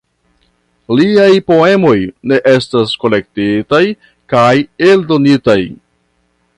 Liaj poemoj ne estas kolektitaj kaj eldonitaj.